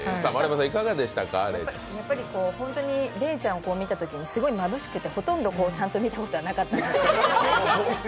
本当にレイちゃんを見たときにすごいまぶしくてほとんどちゃんと見たことなかったです。